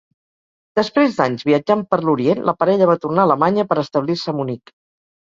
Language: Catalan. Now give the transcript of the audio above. Després d’anys viatjant per l’Orient la parella va tornar a Alemanya per establir-se a Munic.